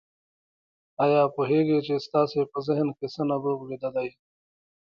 آيا پوهېږئ چې ستاسې په ذهن کې څه نبوغ ويده دی؟